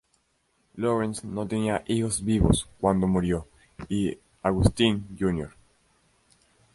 Lawrence no tenía hijos vivos cuando murió, y Agustín, Jr.